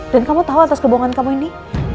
dan kamu tau atas kebohongan kamu ini